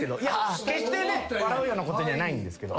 決してね笑うようなことじゃないんですけど。